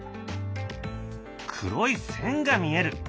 黒い線が見える。